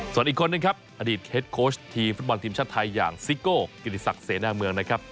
ส่วนอีกคนนึงครับอดีตเฮ็ดโค้ชทีมฟุตบอลทีมชาติไทยอย่างซิโก้กิติศักดิ์เสนาเมืองนะครับ